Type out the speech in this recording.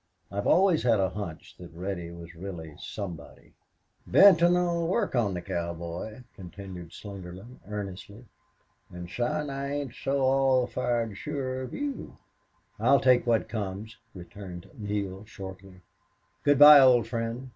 I've always had a hunch that Reddy was really somebody." "Benton 'll work on the cowboy," continued Slingerland, earnestly. "An', son, I ain't so all fired sure of you." "I'll take what comes," returned Neale, shortly. "Good bye, old friend.